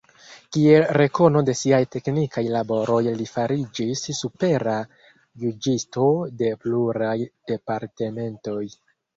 Kiel rekono de siaj teknikaj laboroj li fariĝis supera juĝisto de pluraj departementoj.